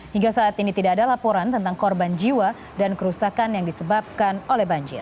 hingga saat ini tidak ada laporan tentang korban jiwa dan kerusakan yang disebabkan oleh banjir